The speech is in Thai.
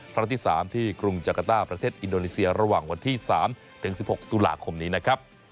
ครั้งที่๓ที่กรุงจักรต้าประเทศอินโดนีเซียระหว่างวันที่๓ถึง๑๖ตุลาคมนี้นะครับ